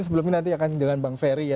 sebelum ini nanti akan jalan bang ferry ya